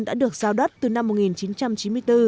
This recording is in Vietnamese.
đã được giao đất từ năm một nghìn chín trăm chín mươi bốn